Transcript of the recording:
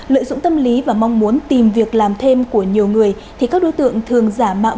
lợi dụng tâm lý và mong muốn tìm việc làm thêm của nhiều người thì các đối tượng thường giả mạo